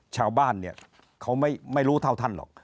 ชาวบ้านเนี่ยเขาไม่รู้เท่าท่านหรอก